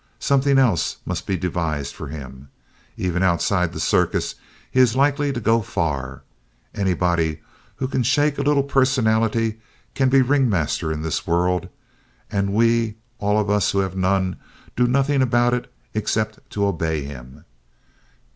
Something else must be devised for him. Even outside the circus he is likely to go far. Anybody who can shake a little personality can be ringmaster in this world. And we, all of us who have none, do nothing about it except to obey him.